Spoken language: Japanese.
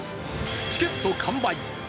チケット完売。